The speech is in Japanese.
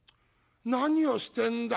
何をしてんだよ！